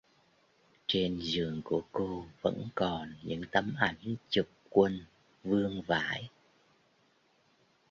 Trên giường của cô vẫn còn những tấm ảnh chụp quân vương vãi